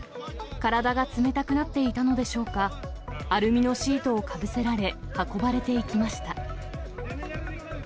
体が冷たくなっていたのでしょうか、アルミのシートをかぶせられ、運ばれていきました。